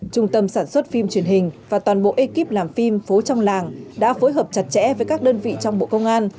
trung tâm sản xuất phim truyền hình và toàn bộ ekip làm phim phố trong làng đã phối hợp chặt chẽ với các đơn vị trong bộ công an